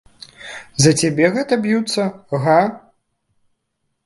За цябе гэта б'юцца, га?